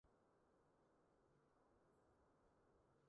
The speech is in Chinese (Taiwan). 請翻到課本第三十頁